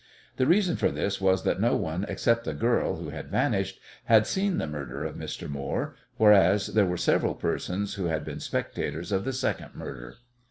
The reason for this was that no one except the girl who had vanished had seen the murder of Mr. Moore, whereas there were several persons who had been spectators of the second murder.